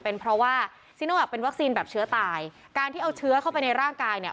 เป็นเพราะว่าซีโนแวคเป็นวัคซีนแบบเชื้อตายการที่เอาเชื้อเข้าไปในร่างกายเนี่ย